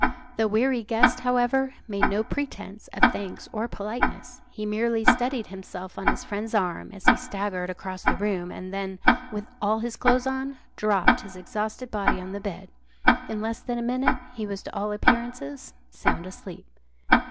The weary guest, however, made no pretence of thanks or politeness. He merely steadied himself on his friend's arm as he staggered across the room, and then, with all his clothes on, dropped his exhausted body on the bed. In less than a minute he was to all appearances sound asleep.